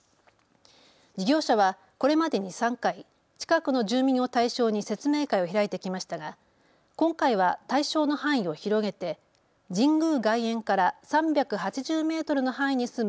事業者はこれまでに３回近くの住民を対象に説明会を開いてきましたが今回は対象の範囲を広げて神宮外苑から３８０メートルの範囲に住む